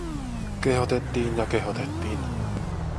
Kehotettiin ja kehotettiin.